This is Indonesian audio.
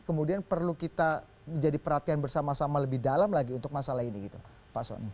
kemudian perlu kita menjadi perhatian bersama sama lebih dalam lagi untuk masalah ini gitu pak soni